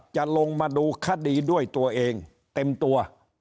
จะลงมาดูคดีด้วยตัวเองเต็มตัว